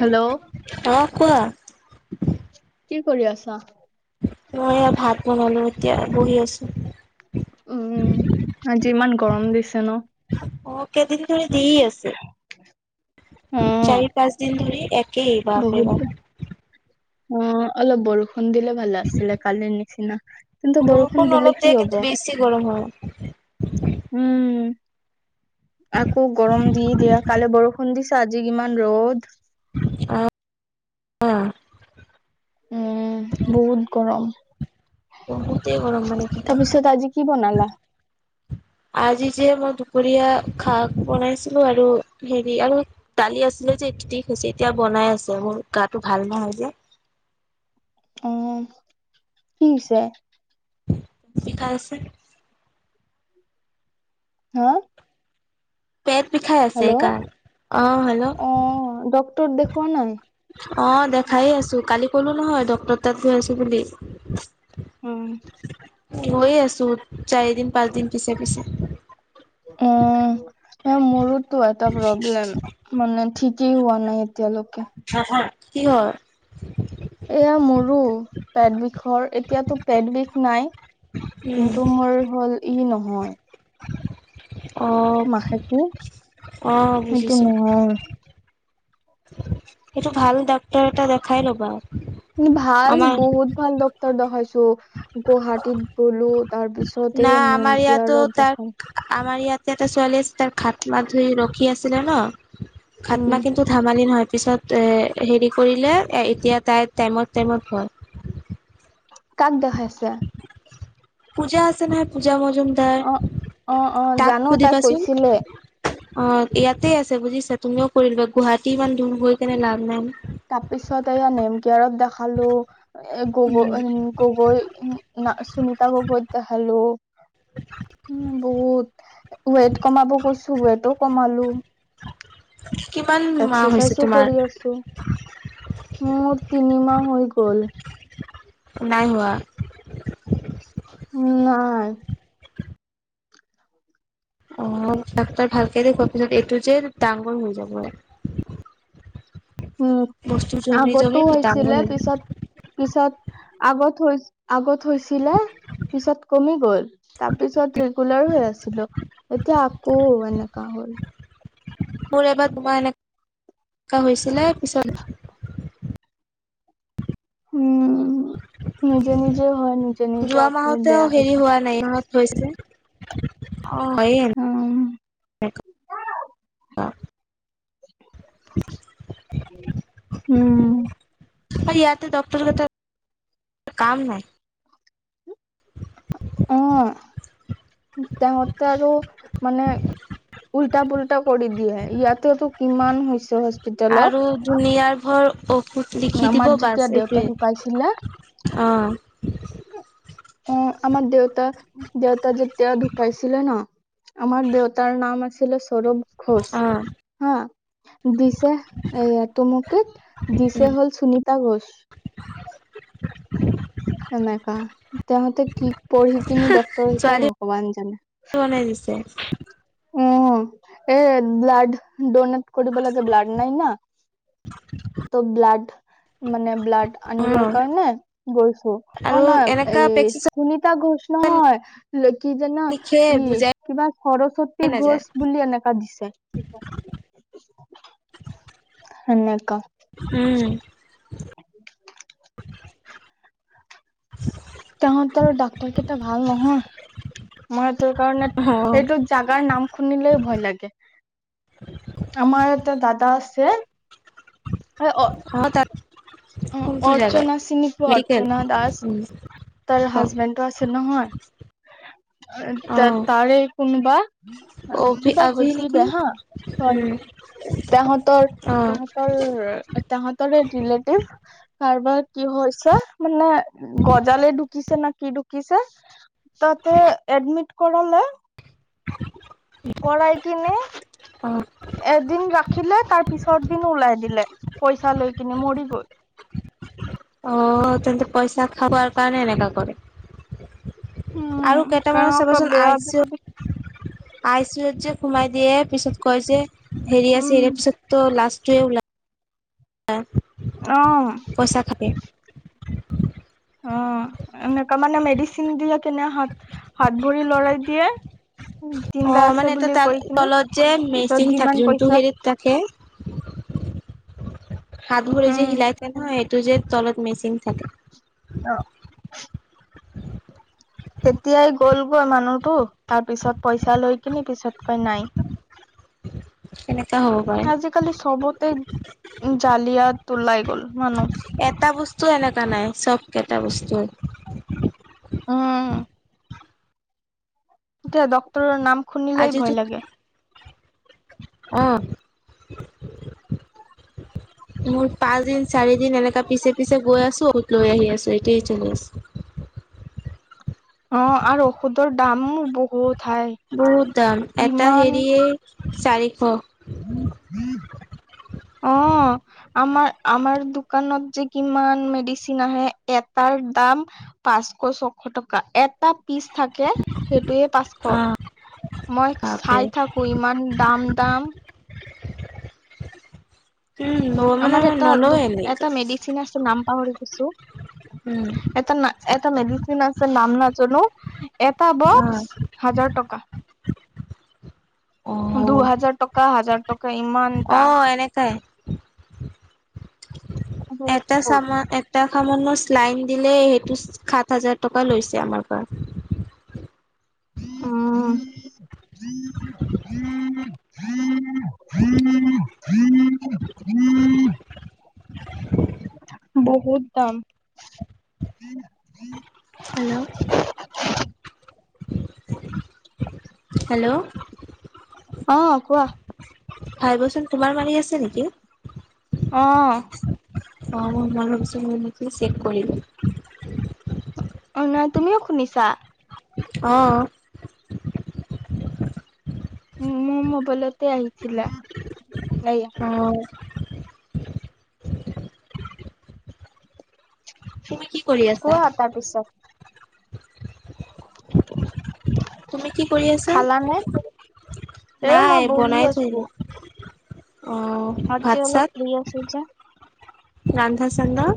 Hello অ' কোৱা। কি কৰি আছা? মই এ ভাত বনালো এতিয়া বহি আছো। উম, আজি ইমান গৰম দিছে ন। অ' কেইদিন ধৰি দি আছে, অ', চাৰি পাঁচ দিন ধৰি এক কিবা বহুত কৰিবা? অ' অলপ বৰষুণ দিলে ভালে আছিলে কালিৰ নিচিনা। কিন্তু বৰষুণ বৰপুণ দিলে অলপ কি দিয়ে হ'ব? কিন্তু বেছি গৰম হয়। উম, আকৌ গৰম দি দিয়া কালে বৰষুণ দিছ আজি কিমান ৰ'দ। আহ, অ'। উম বহুত গৰম। বহুতেই গৰম মানে কি কবা, তাৰপিছত আজি কি বনালা? আজি যে মই দু দুুপুৰীয়া শাক বনাইছিলো আৰু হেৰি আৰু দালি আছিলে যেচি এতিয়া বন বনাই আছে মোৰ গাটো ভাল নহয় যে। অ', কি হৈছে? শিকায় আছে। হা? পেট বিষাই আছে, হেল্ল' অ', কাৰ আহ, হেল্ল' ডক্তৰ দেখুওৱা নাই? অ' দেখাইে আছো কালি কলো নহয় ড্টৰ তাত গৈ আছো বুলি। উম। গৈয়ে আছো, চাৰিদিন পাঁচদিন পিছে পিছে উম, এ মোৰোতো এটা প্ৰব্লেম মানে ঠিকেই হোৱা নাই। এতিয়ালৈকে। কি হল? এয়া মোৰো পেট বিষ ঘৰ এতিয়াতো পেট বিষ নাই, কিন্তু মোৰ হ'ল ই নহয়। আহ, মাহেকী আহ, সেইটো বুজিছো। নহয় সটো ভাল ডাক্তৰ এটা দেখাই ল'বা। ভাল আমাৰ বহুত ভাল ডক্তৰ দেখাইছো গুৱাহাটীত গলো তাৰ পিছত ন, এই নিম আমাৰ ইয়াতো কেয়াৰত ত দেখাই আমাৰ ইয়াত যে এটা ছোৱালী আছে, তাৰ খাট মা ধুই ৰখি আছিলে ন, খাট উম মাহ কিন্তু ধেমালি নহয় পিছত হেৰি কৰিলে এতিয়া তাই টাইমত, টাইমত হয়। কাক দেখাইছা? পূজা আছে নহাই পূজা ম জমাৰ অ অ অ তাক জানো কুদি তাই পচ কৈছিলে অ, ইয়াতে আছে বুজিছা তুমিও কৰিল গুৱাহাটী ইমান দূৰ হৈ কেনে লাভ নাই। তাৰপিছত এয়া নেমকিয়াৰত দেখ খালো উম, গগৈ, উ, গগৈ সুনিতা গগৈত দেখালো। উম, বহুত। ৱেইট কমাব কৈছো, ৱেইটটো কমালো। কিমান মাহ হৈছে এক্সাৰচাইজো কৰি তোমাৰ? আছো মোৰ তিনিমাহ হৈ গ'ল। নাই হোৱা। উ, নাই। আহ ডাক্তৰ ভালকে দেখওৱা পিছত এইটো যে ডাঙৰ হৈ যাব। [inaudible] উম, বস্তু জমি আগতো জমি ডাঙৰ হৈ হৈছিলে যাব পিছত, পিছত আগত হৈ, আগত হৈছিলে। পিছত কমি গল তাৰপিছত ৰেগুলাৰ হৈ আছিলো এতিয়া আকৌ এনেকা হ'ল। মোৰ এবাৰ তোমাৰ এনে কা হৈছিলে পিছত উম, নিজে, নিজে হয় নিজে, নিজে যোৱা আকৌ মাহতেও বেয়া হৈ হেৰি যায়। হোৱা নাই মাহত হৈছে। অ উম [unintelligible] [unintelligible] উম। [unintelligible] ইয়াতে ডক্টৰকেইটাক কাম নাই। অ, তেওঁহতে আৰু মানে উল্টা, পুল্টা কৰি দিয়ে, ইয়াতে টো কিমান হৈছে। হস্পিতেলত আৰু দুুনিয়াৰ ভৰ লিখি আমাৰ দিব যেতিয়া বাছ দেউতা এইটোৱে, ঢুকাইছিলে অ'। অ, আমাৰ দেউতা, দেউতা যেতিয়া ঢুকাইছিলে ন। আমাৰ দেউতাৰ নাম আছিলে সৌৰভ ঘোষ অ হা। দিছে এই তুমুকিত দিছে উম হ'ল সুনিতা ঘোষ [unintelligible] এনেকা তেহঁতে কি পঢ়ি কিনি ডক্টৰ হৈছে, ছোৱালী ভগৱান জানে। বনাই দিছে উম, এ, ব্লাড ডনেট কৰিব লাগে। ব্লাড নাই না। তো ব্লাড মানে ব্লাড অ আনিবৰ কাৰণে গৈছো অ, আৰু নাই এনেকা এই প্ৰেচক্ৰিপচন সুনিতা ঘোষ নহয়। [unintelligible] কি যে ন লিখে ই বুজাই কিবা সৰসত নাযায় ঘোছ বুলি এনেকা দিছে [unintelligible] সেনে উম [unintelligible] তাহঁতৰ ডাক্তৰ কেইটা ভাল নহয়। মই সেই তোৰ কাৰণে অ এইটো জাগাৰ নাম শুনিলে ভয় লাগে। আমাৰ এটা দাদা আছে। অ, তাত অ, কোনটো জেগাত অৰ্চনা চিনি পোৱা মেডিকেল অৰ্চনা দাস। উম তাইৰ অ হাজবেণ্ডটো আছে নহয় তাৰে কোনোবা অভি কিবা আভি নেকি হৈছিলে হা চ উম তাহঁতৰ অ তাহঁতৰ তাহঁতৰ [unintelligible] কাৰবাৰ কি হৈছে মানে গজালে ঢুকিছে নাকি কি ঢুকিছে তাতে এডমিট কৰালে। [unintelligible] কৰাই কিনে অ এদিন ৰা ৰাখিলে তাৰ পিছত দিন ওলাই দিলে পইচা লৈ কিনে মৰি গ'ল। অ', তেন্তে পইচা খাৱাৰ কাৰণে এনেকা কৰে। আৰু উম কেইটামানৰ কেনেকুৱা চাবাচোন বেয়া আই চি ইও আজিকালি আই চি ইও ত যে সোমাই দিয়ে পিছত কয় যে হেৰি আছে উম হেৰি পিছতো লাষ্ট [unintelligible] অ পইচা খাই। অ', এনেকা মানে মেডিচিন দিয়ে কেনে হাত হাত ভৰি লৰাই দিয়ে। অ জিন্দা আছে মানে এটা বুলি তাৰ কৈ কিনি তলত যে পিছত মেচিন থাকে যিমান যোনটো পইচা [inaudible] হেৰিত থাকে হাত ভৰি যে উম হিলাই থৈ নহয় এইটো যে তলত মেচিন থাকে। অ'। তেতিয়াই গ'লগৈ মানুহটো তাৰ পিছত পইচা লৈ কিনি পিছত কয় নাই। কেনেকা হ'ব আজিকালি চবতে জালিয়াত ওলাই গ'ল মানুহ পাৰে। এটা বস্তু এনেকা নাই চবক এটা বস্তু [unintelligible] উম এতিয়া ড্ক্তৰৰ নাম শুনিলেই ভয় লাগে। আহ। [inaudible] মোৰ পাঁচ দিন চাৰি দিন এনেকা পিছে পিছে গৈ আছো ঔষধ লৈ আহি আছো এটোৱে চলি আছে। [inaudible] অ আৰু ঔষধৰ দামো বহুত। হাই বহুত দাম এটা ইমান হেৰিয়ে চাৰিশ। অ', আমাৰ আমাৰ দোকানত যে কিমান মেডিচিন আহে এটাৰ দাম পাঁচশ ছ শ টকা এটা পিছ থাকে সেইটোয়ে পাঁচশ অ' মই বাপৰে। চাই থাকো ইমান দাম। কম দাম। উম, মই মানে আমাৰ এটা নলওঁ দু এনেকে এটা মেডিচিন আছে নাম পাহৰি গৈছোঁ। উম। এটা মেডিচিন আছে নাম নাজনো এটা বক্স অ'। হাজাৰ টকা। অ', দুহাজাৰ টকা হাজাৰ টকা ইমান দাম। অ' এনেকাই। এটা বহুত চামান এটা এটা মানুহৰ শ্লাইন দিলে সেইটো সাত হাজাৰ টকা লৈছে আমাৰ পৰা। উম। [inaudible] [inaudible] বহুত দাম। হেল্ল'? হেল্ল'? অ', কোৱা? ভাইব্ৰেচন তোমাৰ মাৰি আছে নেকি? আহ। অ', মোৰ মই ভাবিছে মোৰ নেকি চেক কৰিলো। অ', নাই তুমিও শুনিছা। অ'। উ, মোৰ মোবাইলতে আহিছিল। অ'। তুমি কি কৰি আছা? কোৱা তাৰপিছত তুমি কি কৰি আছা? খালানে এ মই নাই, বহি বনাই থৈ আছো দিলোঁ। অ', আজি ভাত অলপ চাত, ফ্ৰী আছো যে ৰান্ধা সন্ধা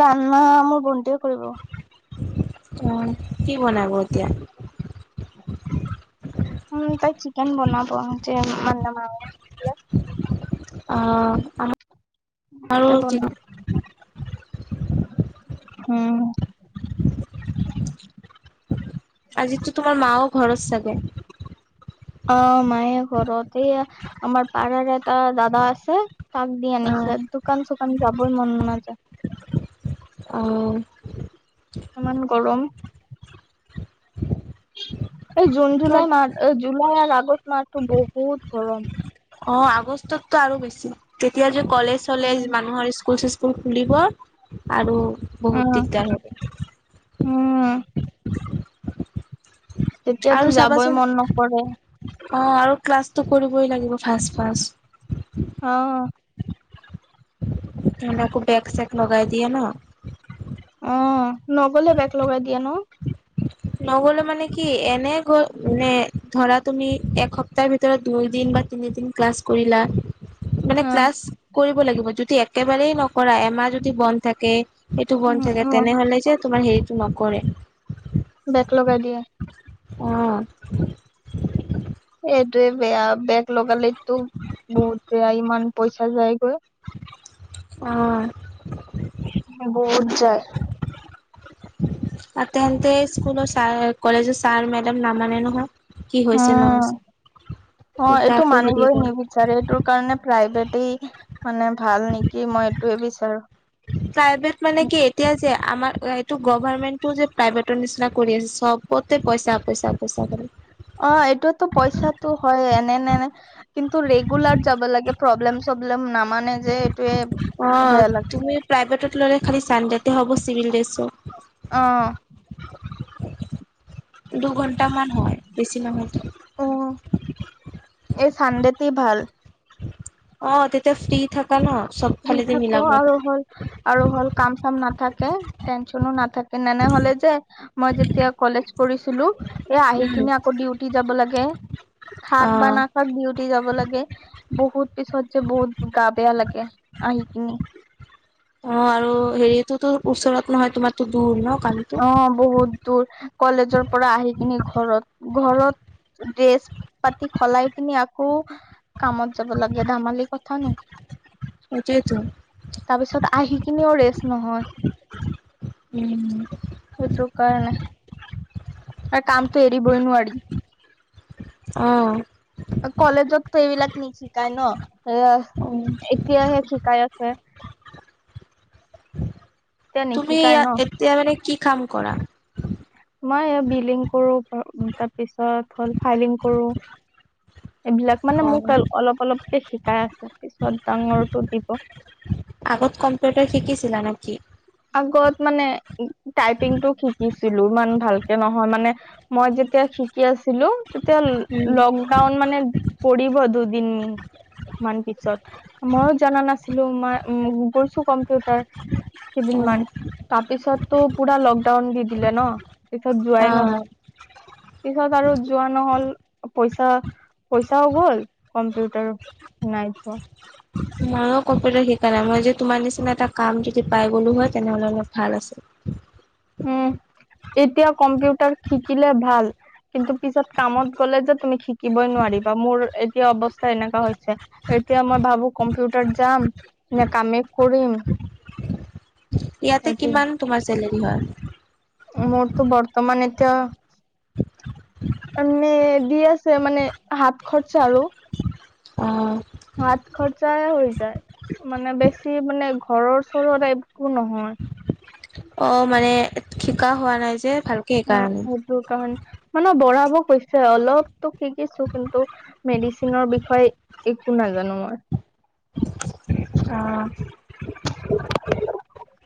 ৰান্ধা, মোৰ ভণ্টিয়ে কৰিব। অ', কি বনাব এতিয়া? তাই চিকেন বনাব। অ মন্দ মাৱেছিল [unintelligible] অ', আহ। ত ব ন [unintelligible] উম। আজিতো তোমাৰ মাও ঘৰত চাগে অ', মায়ে ঘৰতে এইয়া আমাৰ পাৰাৰ এটা দাদা আছে তাক দি অ আনিছে, দোকান চোকান যাবই মন নাযায়। অ ইমান গৰম। এই জুন জুলাই মাহ, জুলাই আৰু আগষ্ট মাহটো বহুত গৰম। অ', আগষ্টতটো আৰু বেছি তেতিয়া যে কলেজ চলেজ, উম মানুহৰ স্কুল চ স্কুল খুলিব আৰু বহুত উম দিগদাৰ হ'ব। উম। আৰু তেতিয়াতো যাবই চাবাচোন মন নকৰে। অ', আৰু ক্লাছটো কৰিবই লাগিব ফাৰ্ষ্ট ফাষ্ট। অ'। নহ'লে আকৌ বেক চেক লগাই দিয়ে ন'। অ', নগ'লে বেগ লগাই দিয়ে ন'। নগ'লে মানে কি এনে গৈ নে ধৰা তুমি এসপ্তাহৰ ভিতৰত দুই দিন তিনিদিন ক্লাছ কৰিলা। অ মানে ক্লাছ কৰিব লাগিব, যদি একেবাৰেই নকৰা এমাহ যদি বন্ধ থাকে এইটো উম বন্ধ থাকে, অ তেনেহ'লে যে তোমাৰ হেৰিটো নকৰে। বেক লগাই দিয়ে। অ'। সেইটোৱে বেয়া, বেক লগালেটো বহুত বেয়া, ইমান পইচা যায়গৈ। অ'। বহুত যায়। আৰু তেন্তে স্কুলৰ ছাৰ, কলেজৰ ছাৰ মেডাম নামানে নহয়। কি হৈছে উম, নহৈছে অ', উল্টা এইটো আকৌ হেৰি মানিবই কৰে নিবিচাৰে এইটোৰ কাৰণে প্ৰাইভেট মানে ভাল নেকি, মই এইটোয়ে প্ৰাইভেট মানে বিচাৰো। কি এতিয়া যে আমাৰ এইটো গভাৰমেণ্টও যে প্ৰাইভেটৰ নিচিনা কৰি আছে, চবতে পইচা, পইচা, পইচা কৰি। ন', কিন্তু ৰেগুলাৰ যাব লাগে, প্ৰব্লেম চব্লেম নামানে যে। এইটোয়ে বেয়া অ', লাগে তুমি প্ৰাইভেটত ল'লে খালি চানডেতো হ'ব চিভিল ড্ৰেছত। অ দুঘণ্টামান হয় বেছি নহয়তো। এই চানডেতেই ভাল। অ' তেতিয়া ফ্ৰী থাকা ন'। চব ফ্ৰী ফালেদি থাকো মিলাব। আৰু হ'ল আৰু হ'ল, কাম চাম নাথাকে, টেনচনো নাথাকে। সনেনে হ'লে যে মই যেতিয়া কলেজ পঢ়িছিলো এই আহি উম, কিনে আকৌ ডিউটি যাব লাগে, খাক বা অ'। নাখাক ডিউটি যাব লাগে। বহুত পিছত যে বহুত গা বেয়া লাগে আহি কিনি। অ', আৰু হেৰিটোতো ওচৰত নহয়, তোমাৰতো দূৰ ন'। কামটো অ', বহুত দূৰ কলেজৰ পৰা আহি কিনি ঘৰত ঘৰত ড্ৰেছ পাতি খলাই কিনি আকৌ কামত যাব লাগে ধামালি কথা সেইটোয়েতো। নেকি তাৰপিছত আহি কিনেও ৰেষ্ট নহয় উম এইটো কাৰ নে আৰু কামটো এৰি বই নোৱাৰি অ' কলেজতো এইবিলাক ন শিকায় ন অ', এতিয়াহে শিকাই আছে এতিয়া তুমি নিশিকাই ন এতিয়া মানে কি কাম কৰা মই বিলিং কৰো তাৰপিছত হ'ল ফাইলিং কৰো এইবিলাক মানে মোক অ', অলপ অলপকে শিকাই আছে পিছত ডাঙৰটো দিব আগত কম্পিউটাৰ শিকিছিলা নেকি আগত মানে টাইপিং টো শিকিছিলো ইমান ভালকে নহয় মানে মই যেতিয়া শিকি আছো ছিলো তেতিয়া উম, লকডাউন মানে পৰিব দুদিন মিন মান পিছত ময়ো জনা নাছিলো মই গৈছো কম্পিউটাৰ কেইদিনমান অ', তাৰপিছত তো পুৰা লকডাউন দি দিলে ন পিছত যোৱাই অ'। নহল পিছত আৰু যোৱা নহল পইচা পইচাও গ'ল কম্পিউ ত নাই যোৱা মইও কম্পিউটাৰ শিকা নাই মই যে তোমাৰ নিচিনা এটা কাম যদি পাই গলো হয় তেনেহলে অলপ ভাল আছিল উম এতিয়া কম্পিউটাৰ শিকিলে ভাল কিন্তু পিছত কামত গ'লে যে তুমি শিকিবই নোৱাৰি মোৰ এতিয়া অৱছ এনেকা হৈছে এতিয়া মই ভাবো কম্পিউটাৰ যাম নে কামে কৰিম [inaudible] ইয়াতে এইটো কিমান তোমাৰ চেলেৰী হয় মোৰতো বৰ্তমান এতিয়া মানে দি আছে মানে হাত খৰচা আৰু অ' হাত খৰচাই হৈ মানে বেছি মানে ঘৰৰ চৰৰত একো নহয় অ' মানে শিকা হোৱা নাই যে ভালকে অ' সেইকাৰণে। সেইটো কাৰণ মানে বৰা অলপতো শিকিছো কিন্তু মেডিচিনৰ বিষয়ে একো নাজানো মই। [inaudible] আহ